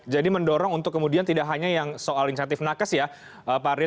jadi mendorong untuk kemudian tidak hanya yang soal insentif nakses ya pak arief